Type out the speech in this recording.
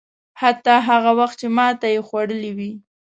حتی هغه وخت چې ماته یې خوړلې وي.